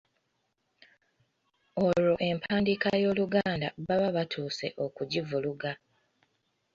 Olwo empandiika y'Oluganda baba batuuse okugivuluga.